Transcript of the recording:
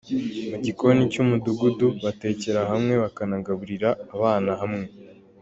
Mu gikoni cy’umudugudu batekera hamwe bakanagaburirira abana hamwe.